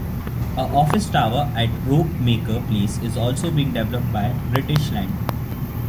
A office tower at Ropemaker Place is also being developed by British Land.